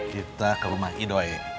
kita ke rumah idoy